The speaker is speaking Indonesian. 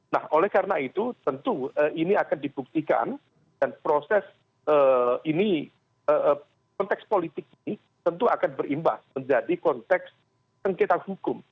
nah oleh karena itu tentu ini akan dibuktikan dan proses ini konteks politik ini tentu akan berimbas menjadi konteks sengketa hukum